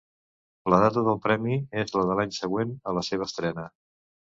La data del premi és la de l'any següent a la seva estrena.